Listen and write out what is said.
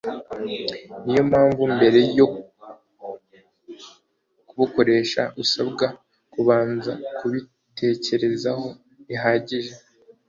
niyo mpamvu mbere yo kubukoresha usabwa kubanza kubitekerezaho bihagije